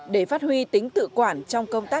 để phát huy tính tự quản trong công tác